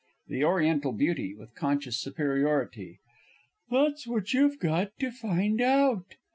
THE ORIENTAL BEAUTY (with conscious superiority). That's what you've got to find out.